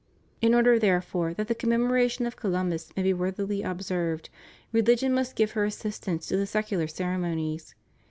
In order, therefore, that the commemoration of Co lumbus may be worthily observed, religion must give her assistance to the secular ceremonies.